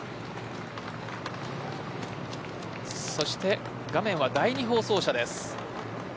そして画面は第２放送車です。